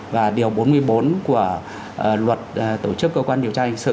và điều bốn mươi bốn của luật tổ chức cơ quan điều tra hình sự